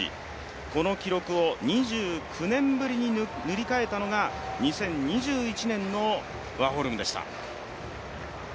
この記録を２９年ぶりに塗り替えたのが２０２１年のワーホルムでした。